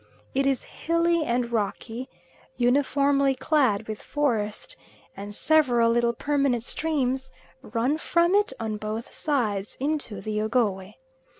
It is hilly and rocky, uniformly clad with forest, and several little permanent streams run from it on both sides into the Ogowe.